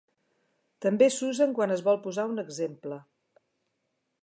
També s'usen quan es vol posar un exemple.